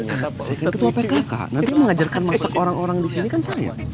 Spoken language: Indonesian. saya kira ketua pkk nanti mengajarkan masyarakat orang disini kan sama